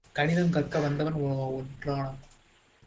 கணிதம் கற்க வந்தவன் ஒற்றனா?